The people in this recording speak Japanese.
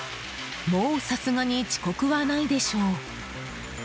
もう、さすがに遅刻はないでしょう。